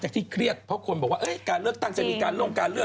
สั้นที่สุดตั้งแต่เคยได้ยินมาเลย